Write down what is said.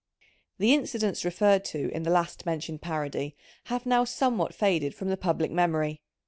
The incidents referred to in the last mentioned parody have now somewhat faded from the public memory.